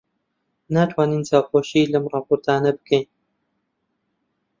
ناتوانین چاوپۆشی لەم ڕاپۆرتانە بکەین.